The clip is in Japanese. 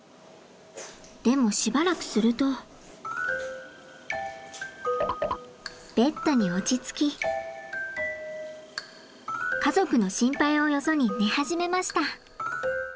でもベッドに落ち着き家族の心配をよそに寝始めました。